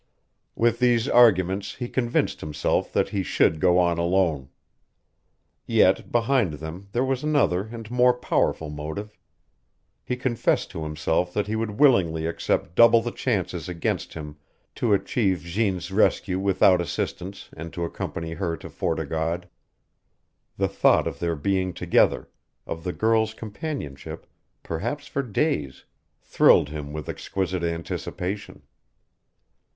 With these arguments he convinced himself that he should go on alone. Yet, behind them there was another and more powerful motive. He confessed to himself that he would willingly accept double the chances against him to achieve Jeanne's rescue without assistance and to accompany her to Fort o' God. The thought of their being together, of the girl's companionship perhaps for days thrilled him with exquisite anticipation.